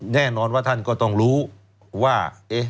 แน่นอนว่าท่านก็ต้องรู้ว่า